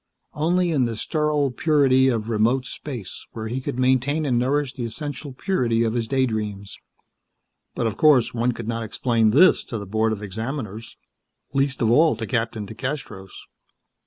Only in the sterile purity of remote space where he could maintain and nourish the essential purity of his day dreams. But of course one could not explain this to the Board of Examiners; least of all to Captain DeCastros.